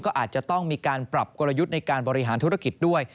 ก็อาจจะต้องมีการปรับกลยุทธ์ในการบริหารธุรกิจด้วย